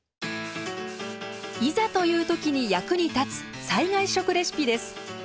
いざという時に役に立つ災害食レシピです。